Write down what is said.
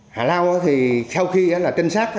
hà lao thì sau khi trinh sát